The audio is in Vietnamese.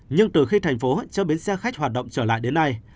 nhưng từ khi thành phố cho bến xe khách hoạt động trở lại đến nay